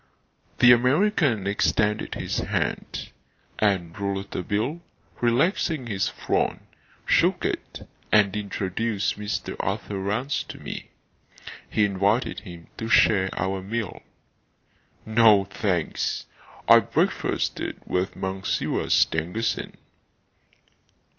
The American extended his hand and Rouletabille, relaxing his frown, shook it and introduced Mr. Arthur Rance to me. He invited him to share our meal. "No thanks. I breakfasted with Monsieur Stangerson."